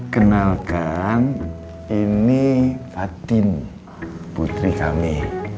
kenalkan ini fatin putri kami